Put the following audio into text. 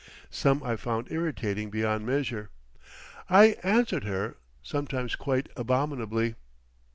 Some I found irritating beyond measure. I answered her—sometimes quite abominably.